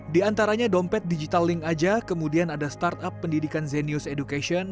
di antaranya dompet digital link aja kemudian ada startup pendidikan zenius education